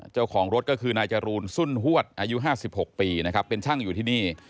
เจ้าของรถก็คือนายจรูนสุ่นฮวดอายุ๕๖ปีนะครับเป็นช่างอยู่ที่นี่